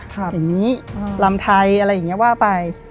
ครับอย่างนี้อ่าลำไทยอะไรอย่างเงี้ยว่าไป